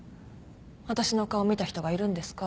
私の顔見た人がいるんですか？